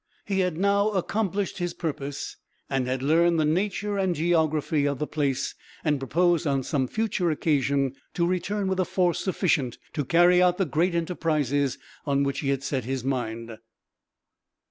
He had now accomplished his purpose, and had learned the nature and geography of the place; and proposed, on some future occasion, to return with a force sufficient to carry out the great enterprises on which he had set his mind.